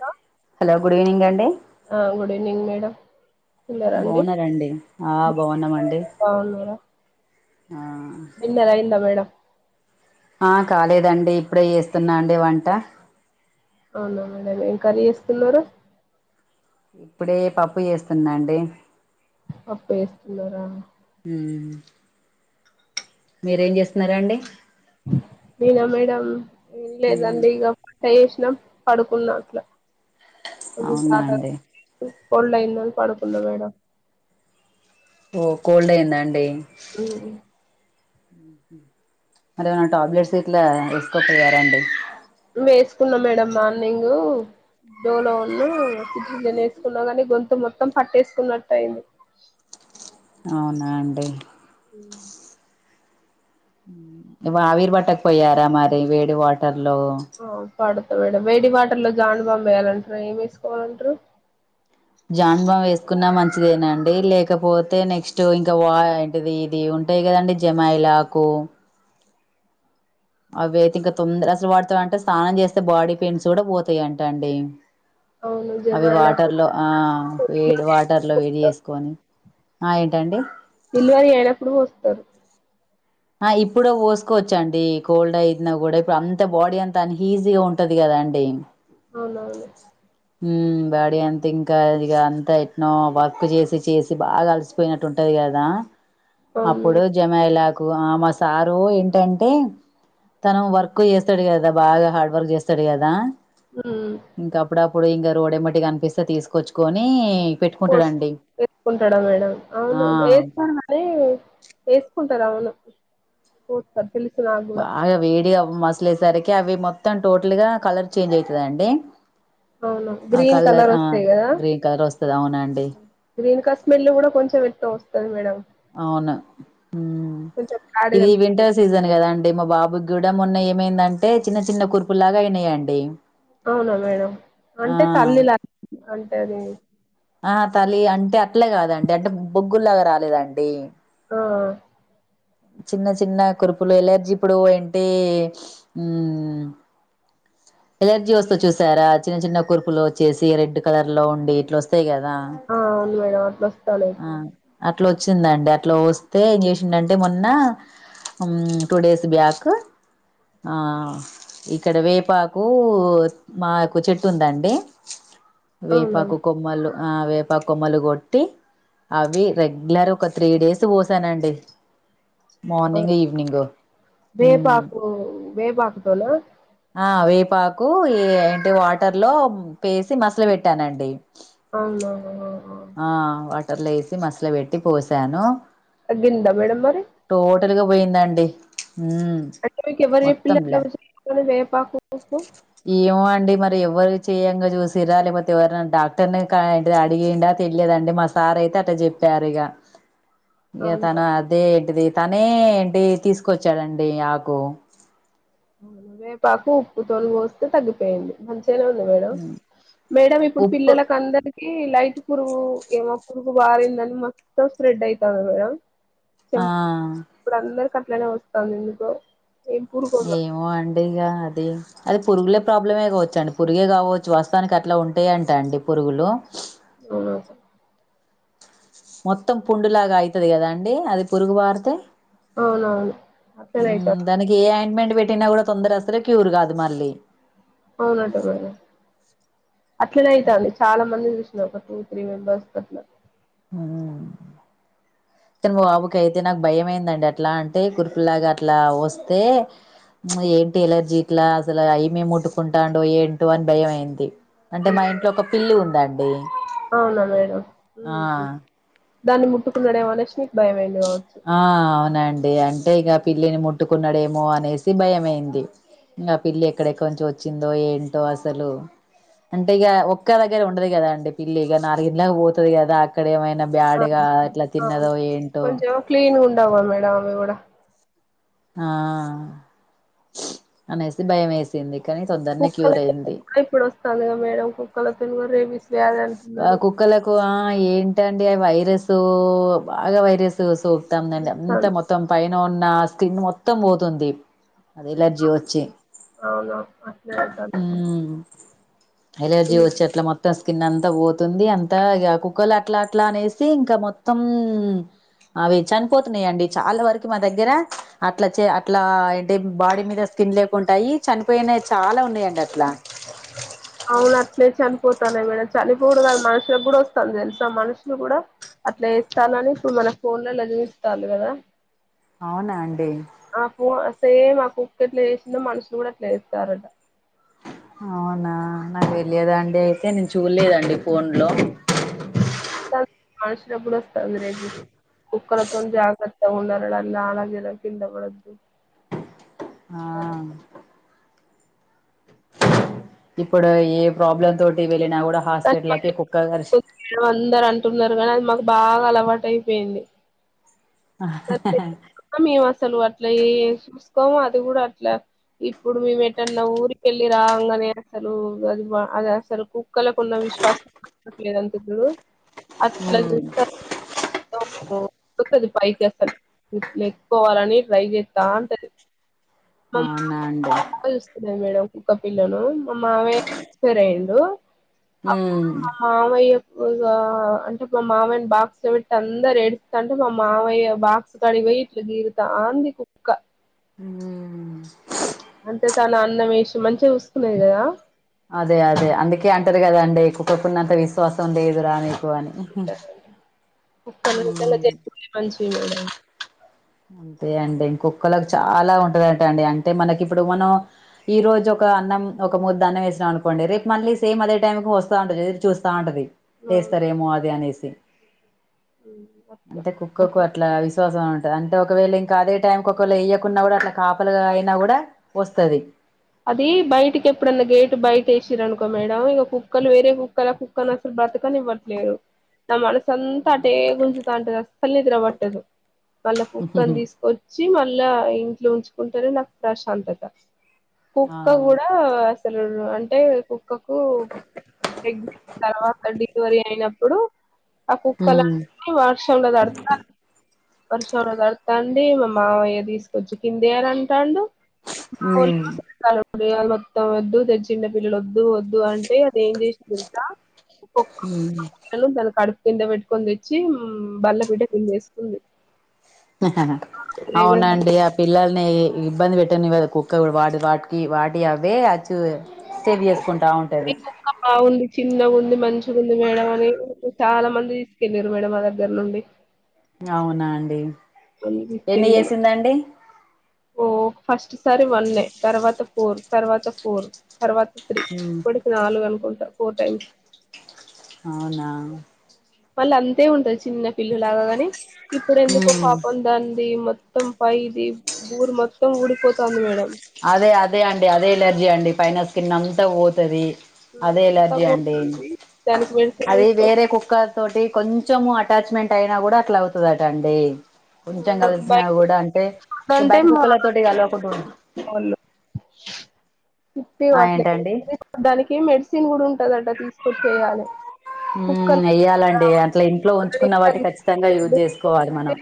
ఆ hello good evening అండి ఆ గుడ్ ఈవినింగ్ మేడమ్ బాగున్నారండి ఆ బాగున్నమండి అవును మేడం డిన్నర్ అయిందా మేడం ఆ కాలేదండి ఇప్పుడే చేస్తున్నా అండి వంట అవునా మేడం ఏం కర్రీ చేస్తున్నారు. ఇప్పుడే పప్పు చేస్తున్నా అండి పప్పే చేస్తూన్నారా ఉమ్ మీరేం చేస్తున్నారా అండి నేనా మేడము ఏం ఉమ్ లేదండి ఇగ కాయేష్నం పడుకు నాట్ల కొం అవునా జధ అండి కోల్డ్ అయిందని పడుకున్న మేడం ఓ కోల్డే అయిందా అండి ఉ ఉహు మరీ ఏమన్నా టాబ్లెట్స్ గిట్ల వేసుకోపోయారండి. వేసుకున్నా మేడం మార్నింగ్ డోలో ఉన్నూ సిట్రిజన్ వేసుకున్నా గాని గొంతు మొత్తం పట్టేసుకున్నట్టు అయింది. అవునా అండి ఉ ఉమ్ ఏమన్న ఆవిరీ పట్టక పోయారా మరి వేడి వాటర్ లో అవున్ పడతా మేడం వేడి వాటర్ లో జాండ్బాం వేయాలంటర ఏమ్ వేసుకో మంటరు జండుబాము వేసుకున్నమంచిదేనాండి లేకపోతే నెక్స్ట్ ఇంకా వా ఆది ఇది ఉంటాయి కదండి జమాయి లాకు అవి అయితే ఇంకా తొందర అసలు పడుతాయంటే స్నానం చేస్తే బాడీ పెయిన్స్ కూడ పోతయ టండి అవును అవి జమాయిలకు వాటర్ లో ఆ వేడి వాటర్ లో వేడి చేసుకొని ఆ ఏంటండి తేలి వరీ అయినప్పుడు వస్తరు ఆ ఇప్పుడే పోసుకోవచ్చు అండి. కోల్డ్ అయిన కూడా ఇప్పుడు అంత బాడీ అంత ఆన్ ఏజీ గా ఉంటది కదాండి. అవునవును [unintelligible] హ్ బాడీ అంతా ఇంకా ఇది అంతా ఎట్నో వర్క్ చేసి చేసి బాగా అలసిపోయినట్టు ఉంటది. కదా అవును అప్పుడు మేడం జమయిలాకు ఆ మా సారు ఏంటంటే తను వర్క్ చేస్తడు గదా బాగా హార్డ్ వర్క్ చేస్తడు కాదా ఉమ్ ఇంగ అప్పుడప్పుడు ఇంగ రోడ్ ఎంబడి కనిపిస్తే తీసుకొచ్చుకొనీ ఓస్ ఎత్తుకుంటాడా మేడం ఆ అవును వేస్తడు మేడం అది చేసుకుంటాడు అవును త పిలుస్ ఆగ్ బాగా వేడిగా మసిలేసరికి అవి మొత్తం టోటల్ గా కలర్ చేంజ్ అవుతదండి అవును ఆ గ్రీన్ కలర్ ఆ వస్తాయి కదా గ్రీన్ కలర్ వస్తది అవునండి గ్రీన్ కస్మెల్ కూడా కొంచెం ఎట్నో వస్తది మేడం అవున మ్మ్ కొంచెం బ్యాడ్ గా ఇది అనిపిస్తది వింటర్ సీజన్ కదాండి మా బాబుకి కూడా మొన్న ఏమైందంటే చిన్న చిన్న కుర్పు లాగా అయినయండి అవునా మేడం అంటే తల్లీలా అంటే అది ఆ తల్లి అంటే అట్లే కాదండి అంటే బొగ్గులాగా రాలేదండి ఆ చిన్న చిన్న కురుపులు ఎలర్జీ ఇప్పుడు ఏంటి మ్ ఎలర్జీ వస్తది చూసారా చిన్న చిన్న కుర్పులు వచ్చేసి రెడ్ కలర్ లో ఉండి ఇట్లా వస్తాయి కదా ఆ అవును మేడము అట్లా వోస్తనయ్ ఆ ఇప్పుడు అట్లా వచ్చిందండి అట్లా వస్తే ఏం చేసిండంటె మొన్న మ్ టూ డేస్ బ్యాక్ ఆ ఇక్కడ వేపాక్ కూ మాకు చెట్టు ఉందండి వేపాకు కొ అవునవును మ్మలు ఆ వేపాకు కొమ్మలు కొట్టి అవి రెగ్యులర్ ఒక త్రీ డేస్ పోసానండి మార్నింగ్ ఈవినింగ్ మ్ ఓ వేపాకు తోన ఆ వేపాకు ఏంటి వాటర్ లో పెసి మసుల పెట్టానండి అవునా అహ ఆ వాటర్లో యేసి మసుల పెట్టి పోసాను తగ్గింద మేడమ్ మరి టోటల్గా పోయిందండి మ్ అంటే మీకెవర్ చెప్పిల్ అట్లా వేపాకు [unintelligible] ఏమో అండి మరి ఎవరి చేయంగా చూసిరా లేకపోతే ఎవరినైనా డాక్టర్ని క అడిగిండా తెలియదండి మస్ సార్ అయితే అట్ట చెప్పారు ఇగ ఇగ అవునా తను అదే ఏంటిది తనే ఏంటి తీసుకొచ్చాడండి ఆకు అవునా వేపాకు ఉప్పు తొనీ పోస్తే తగ్గిపోయింది మంచిగనే ఉంది మేడం మేడం ఇప్పుడు ఉప్పు పిల్లలకు అందరి ఈ లైట్ పురుగు ఏమో పురుగు వారిందని మొత్తం స్ప్రెడ్ అయితంది మేడం ఆ చెం ఇప్పుడు అందరికి అట్లనే ఒస్తాందెందుకొ ఏమో అండి ఇగా అది అది పురుగుల ప్రాబ్లమే కావోచ్చు అండి పురుగే కావోచ్చు వస్తావానికి అట్ల ఉంటాయి అంట అండి పురుగులు అవునా మొత్తం పుండులాగా అవుతది కదా అండి అది పురుగు పారితే అవునవును అట్లనే అయితది దానికి ఏ అయింట్మెంట్ పెట్టినా కూడా తొందర అస్సలే క్యూర్ కాదు మళ్ళీ అవునంట మేడం అట్లనే అయితంది చాలా మంది చూసి లో ఒక టూ త్రీ మెంబర్స్ కట్ల మ్ తన్ మా బాబుకి అయితే నాకు భయమయిందండి అట్లా అంటే కుర్పులాగా అట్లా వస్తే ఏంటి ఎలర్జీట్లా అసలా ఏమేమి ముట్టుకుంటాండో ఏంటో అని భయం అయింది అంటే ఉమ్. మా ఇంట్లో ఒక పిల్లి ఉందండి అవునా మేడం ఆ ఉమ్. దాన్ని ముట్టుకున్నాడేమోనేసి మీక్ బాయమైంది కావచ్చు ఆ అవునండి అంటే ఇక పిల్లిని ముట్టుకున్నాడేమో అనేసి భయమైంది ఇంక ఆ పిల్లి ఎక్కడెక్కడ ను్చోవచ్చిందోఏంటో అసలు అంటే ఇక ఒక్క దగ్గర ఉండదు కదా అండి పిల్లి ఇక నాలుగుళ్కి పోతుంది కదా అక్కడ ఏమైనా ఆ! బ్యాడ్గా ఇట్లా తిన్నదో ఏంటో క్లీన్గా ఉండవా మేడం అవి కూడా ఆ అనేసి బాయ్మేసింది కానీ తొందర్నే క్యూర్ కుక్కలకి అయింది ఇప్పుడు ఒస్తందిగా మేడం కుక్కల తోని కూడా రేబిస్ వ్యాధి అంటున్నారు మొక్కలకు ఆ ఏంటండి వైరస్ బాగా వైరస్ శోక్తందండి అంత వస్తాంది మొత్తం పైన ఉన్న స్కిన్ మొత్తం పోతుంది అది ఎలర్జీ వచ్చి అవును అట్లే అయితాంది మేడం. ఉమ్ ఎలర్జీ హ్మ్. వచ్చేట్లా మొత్తం స్కిన్ అంతా అంత పోతుంది అంతా ఇ కుక్కలు అట్లా అట్లా అనేసి ఇంకా మొత్తం అవి చనిపోతున్నాయండి చాలా వర్కు మా దగ్గర అట్లా చే అట్లా ఎంటి బాడీ మీద స్కిన్ లేకుంటాయి చనిపోయ్నాయి చాలా ఉన్నాయండి అట్లా అవున అట్లే చనిపోతనైకూడా చనిపోడు కాదు మన్షులకు కూడా వస్తంది తెలుసా మన్షులు కూడా అట్లా వేస్తానని ఇప్పుడు మనకు ఫోన్లల్ల చూపిస్థాన్రు కదా అవునా అండి ఆ పూ సేమ్ ఆ కుక్కెట్ల చేసిందో మనుషులు కూడా అట్లా చేస్తారట అవునా నాకు తెలియదండి అయితే నేన్ చూడ్లేదండి ఫోన్లో మన్షులకు కూడా వస్తంది రెబిస్ కుక్కల్‌తోనీజాగ్రత్త ఉున్నరళ లాలజాలం కిందపడదు ఆ ఇప్పుడు ఏ ప్రాబ్లమ్ తోటి వెళ్ళినా కూడా హాస్పిటల్కి కుక్కకార్ మ అందరు అంటున్నారు కానీ అది మాకు బాగా అల్వాటు అయిపోయింది ఆహ హ ఆ మేము అసాల్ అట్ల సూస్కోము అది కూడా అట్లా ఇప్పుడు మేము ఎటన్నా ఊరికెళ్ళి రాంగానే అసలు అది అది అస్లు కు కుక్కలకున్న విశ్వాసం మన్షులకు లేదంటారు చూడు అట్ల చుస్త‌ది పైకేస్ నేర్చుకోవ్లని ట్రై చెత్తంటది మా మా అవునా అండి బాగాచూస్తున్నాది మేడం కుక్క పిల్లను మా మావయ్య ఎక్స్పైర్ అయిండు ఉ మావయ్యప్పు ఆ అంటే మా మావయ్యని బాక్స్లపెట్టి అందరు ఏడుస్తంటె మా మావయ్య బాక్స్కడి పోయి యిట్ల గీరుత ఆంది కు ఉమ్. అంటే తన అన్నం వేసి మంచిగా చూసుకున్నాది కదా అదే అదే అందుకే అంటారు కదా అండి కుక్కకునంత విశ్వాసం లేదురా నికు అని కుక్కలు నిజంగా జరిగితే మంచిగుండు అంతే అండి ఇంకొక్కకి చాలా ఉంటందంట అండి అంటే మనకి ఇప్పుడు మనం ఈ రోజు ఒక అన్నం ఒక ముద్ద్ద అన్నం వేస్నం అనుకోండి రేపు మళ్ళీ సేమ్ అదే టైంకు వస్తా ఉంటది ఎదురు చూస్తా ఉంటది అవును. ఎస్తారేమో అది అనేసి హ్మ్. అంటే కుక్కకు అట్లా అట్లా విశ్వాసం అంటే ఒకవేళ ఇంకా అదే టైంకి ఒకవేళ వేయకున్నా గుడా అట్లా కాపలుగా గాయినా కూడా వస్తుది అది బయటికి ఎప్పుడన్నా గేట్ బయట ఎసిరనుకో మేడం ఇక కుక్కలు వేరే కుక్కల కు కన్ అసలు బ్రతకని ఇవ్వట్లేదు నా మనస్ సొంత అంతా అటే గుంజుతా అంటది అసలు నిద్ర పట్టదు వాళ్ళ కుక్కని దిసు వచ్చి మళ్ళా ఇంట్లో ఉంచుకుంటెనే నాకు ప్రశాంతత ఆ కుక్క గుడా అసలు అంటే కుక్ కకు ప్రెగ్నెన్ తర్వాత డెలివరీ అయినప్పుడు ఆ ఉమ్ కుక్కలన్నీ వస్ రుంలో తడతా వరషం మెర్తాంతాండి మా మావయ్య తీసుకొచ్చి కిందయర అంటాడు మ్ హలో బేములు మొత్తం వద్దు తెచ్చం డె పిల్లలు వద్దు వద్దు అంటే అది ఏజెసాం అని ఒక్క ఉమ్ ఒక్క తన కడుపు కింద పెట్టుకొని తెచ్చి బల్ల పీట కిందేసుకుంది అవునండి పిల్లల్ని ఇబ్బంది పెట్టనివదు కుక్క వాటి వాటికి వాటి అవే అచ్చు తేబి జెసుకుంటా ఉంటది మీ కుక్క బాగుంది చిన్నగా ఉంది మంచిగా ఉంది మేడం అని వు వు చాలా మంది తీసుకెళ్ళారు మేడం మా దగ్గర నుండి అవునా అండి పంది ఎన్ని పిల్లలు చేసిందండి ఓ ఫస్ట్ సారి వన్ తర్వాత ఫోర్ తర్వాత ఫోర్ తర్వాత త్రీ ఉమ్, ఇప్పటికి నాలుగు అనుకుంట ఫోర్ టైమ్స్ అవునా మళ్ళ అంతే ఉంటది చిన్న పిల్లులాగా గాని ఇప్పుడు ఎందుకో ఉమ్, పాపం దాంది మొ మొత్తం పైది బూర్ మొత్తం ఊడిపోతాంది మేడం అదే అదే అండి అదే ఇలర్జీ అండి పైన స్కిన్ అంతా వోతది మ్ అదే అంతా ఎలర్జి అండి పోతుంది దానికి మెడిసిన్ అదే తీసుకొ వేరె కుక్క తోటి కొంచెం అటాచ్మెంట్ అయినా గుడా అట్లా అవుత అండి కొంచెం కలిసిన బయట గుడా అంటే అంటే బయట మా కుక్కల తొటి కలవకుండ క వాళ్ళు ఉత్తి ఆ వడ్ల కి ఏంటండి దానికి మెడ్స్ చిన్ గుడా ఉంటదంట తీసుకొని చెయ్యలె మ్ వెయ్యాలండి అట్లా ఇంట్లో ఉంచుకున్న వాటి ఖచ్చితంగా యూజ్ చేసుకోవాలి మనం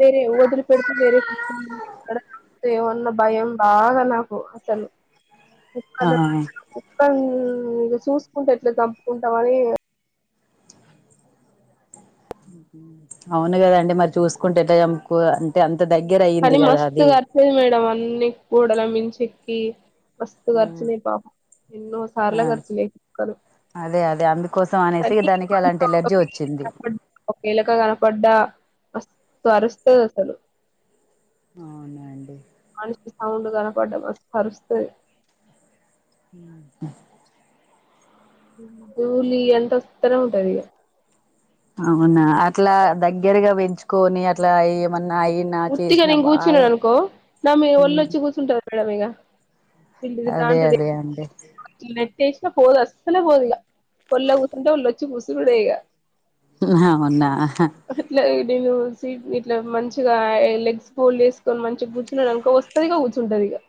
వేరె ఓదులు పెడతం వేరె ఇక్కడ ఏమన్న భగెం మ్ న్న బాగా నాకు అసలు ఆ కుక్కల మధ్యలో కుక్కని ఇ చూసుకుంటే ఎట్లా చంపుకుంటామని హు హు అవును గదండి మరి చూసుకుంటే ఎలా చంపుకు అంటే అంత దగ్గర అయింది కదా అది లేదు మేడం అన్ని గొడల మించి ఏక్కి మస్తు మ్మ్ ఖర్చులే పాపం ఎన్నో సార్లు ఆ ఖర్చులో క్కదు అదే అదే అందుకోసం అనేసి దానికి అలాంటి ఎలర్జీ వచ్చింది ఒక్క ఎలక కనపడ్డా మస్తు అరుస్తది అసలు అవునా అండి మనిషికి సౌండ్ కనపడ్డం మస్త్ అరుస్తది మ్ ధూలి ఇఅంతవస్థనే ఉంటది ఇగ అవునా అట్లా దగ్గరగా బెంచుకొని అట్లా ఏమన్నా ఏయి వుటీగానే నేన్ గుర్చున్నాను అనుకో నా మీ మ్మ్ ఒళ్ళొచ్చి కూర్చుంటాది మేడ ఇగ ఇండ్లు అదే తిడాతాంటది అదే అండి నెట్ వెసిన పోదు అస్సలే పోదు ఇగ వోల్లో గుసుఉంటె వోల్లో వచ్చి గూసుడే ఇగా నీన్న మొన్న ఆహ్ ఇట్లా దేమె సీట్ ఇట్ల మంచ్ చిగా లెగ్స్ హోల్డ్ చేసుకొని మంచిగా కూర్చున్నాడు అనుకో వస్తది ఇక కూర్చుంటా అది ఇగ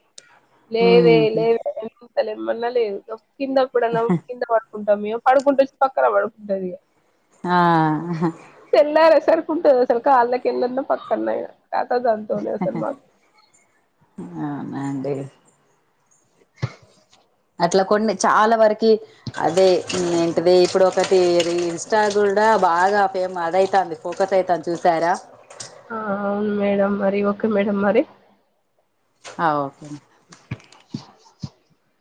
లేవే మ్మ్ లేవేంతలేమ్మ అన్న లేదు గ కింద కూడా పడుకొ కొంటాం మేము పడుకుంటే పక్క పడుకుంట అది ఇగ ఆహ తెల్లారి అస్సర్ కుంట అది అసల్ కాల్ల కింద అయిన పక్కల్న అయిన తాటజ అన్ అవున అండి అట్లా కొన్ని చాలా వరికి అదే ఏంటది ఇప్పుడు ఒకటి ఇన్స్టా కూడా బాగా ఫేమ్ అదై తాంది ఫోకత్ అయితాంది చూసారా ఆ అవును మేడం మరి ఓకే మేడం మరి అ ఓకే నే ఆ